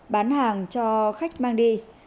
bán hàng cho khách mang đi